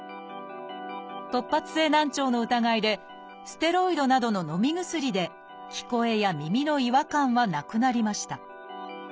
突発性難聴の疑いでステロイドなどののみ薬で聞こえや耳の違和感はなくなりました。